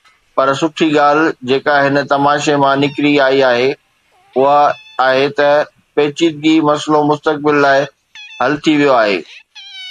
پر سٺي ڳالهه جيڪا هن تماشي مان نڪري آئي آهي اها آهي ته هي پيچيده مسئلو مستقبل لاءِ حل ٿي ويو آهي.